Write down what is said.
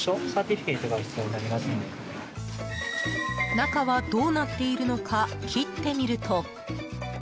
中はどうなっているのか切ってみると。